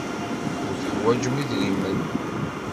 Ur teḥwajem idrimen.